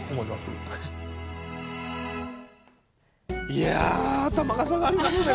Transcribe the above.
いや頭が下がりますね